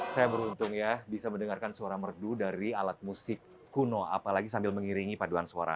saya beruntung ya bisa mendengarkan suara merdu dari alat musik kuno apalagi sambil mengiringi paduan suara